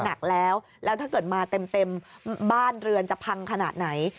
หนักแล้วแล้วถ้าเกิดมาเต็มบ้านเรือนจะพังขนาดไหน